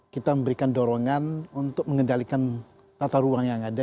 kita memberikan dorongan untuk mengendalikan tata ruang yang ada